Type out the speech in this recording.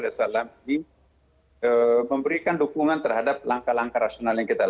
ini memberikan dukungan terhadap langkah langkah rasional yang diberikan